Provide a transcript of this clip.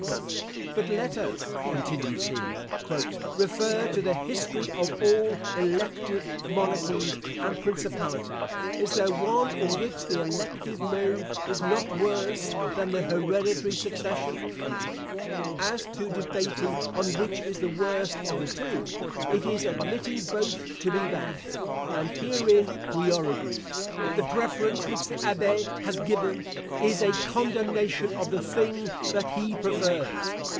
But let us," continues he, "refer to the history of all elective monarchies and principalities: is there one in which the elective mode is not worse than the hereditary succession?" As to debating on which is the worst of the two, it is admitting both to be bad; and herein we are agreed. The preference which the Abbe has given, is a condemnation of the thing that he prefers.